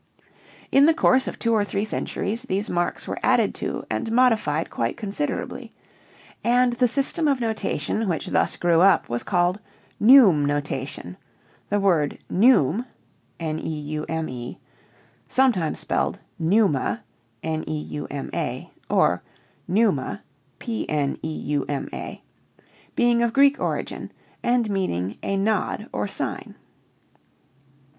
In the course of two or three centuries these marks were added to and modified quite considerably, and the system of notation which thus grew up was called "neume notation," the word neume (sometimes spelled neuma, or pneuma) being of Greek origin and meaning a nod or sign.